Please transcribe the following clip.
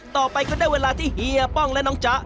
ต่อไปก็ได้เวลาที่เฮียป้องและน้องจ๊ะ